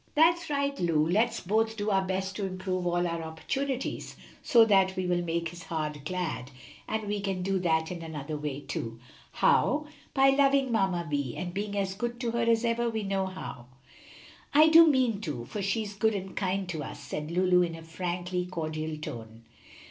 "That's right, Lu; let's both do our best to improve all our opportunities, so that we will make his heart glad. And we can do that in another way, too." "How?" "By loving Mamma Vi, and being as good to her as ever we know how." "I do mean to, for she is good and kind to us," said Lulu, in a frankly cordial tone.